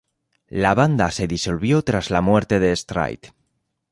La banda se disolvió tras la muerte de Strait.